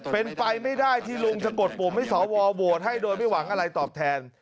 เป็นไปไม่ได้ที่ลุงจะกดปุ่มให้สวโหวตให้โดยไม่หวังอะไรตอบแทน